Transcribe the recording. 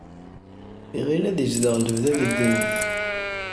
Iɣil ad izdeɣ lebda di ddunit.